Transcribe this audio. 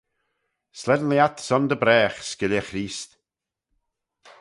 Slane lhiat son dy bragh Skylley Chreest.